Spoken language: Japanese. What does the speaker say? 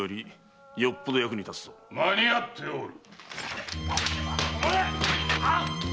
間に合っておる。